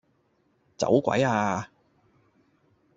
走鬼吖